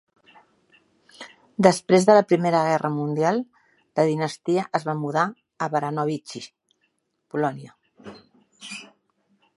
Després de la Primera Guerra Mundial, la dinastia es va mudar a Baranovichi, Polònia.